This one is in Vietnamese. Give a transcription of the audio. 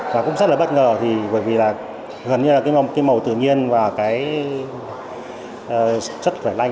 và cũng rất là bất ngờ thì bởi vì là gần như là cái màu tự nhiên và cái chất khỏe lanh